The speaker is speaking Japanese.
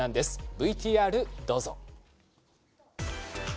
ＶＴＲどうぞ。